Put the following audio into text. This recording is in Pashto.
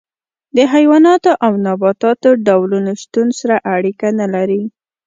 د حیواناتو او نباتاتو ډولونو شتون سره اړیکه نه لري.